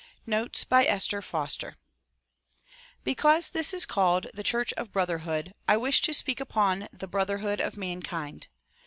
Notes by Esther Foster BECAUSE this is called the "Church of Brotherhood" I wish to speak upon the "Brotherhood of Mankind."